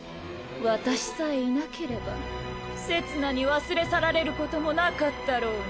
私さえいなければせつなに忘れ去られる事もなかったろうに。